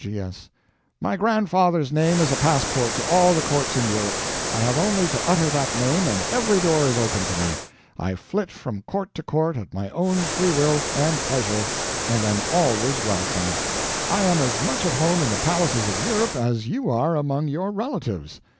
G.S. My grandfather's name is a passport to all the courts in Europe. I have only to utter that name and every door is open to me. I flit from court to court at my own free will and pleasure, and am always welcome. I am as much at home in the palaces of Europe as you are among your relatives.